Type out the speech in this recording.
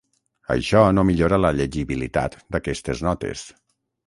Això no millora la llegibilitat d'aquestes notes.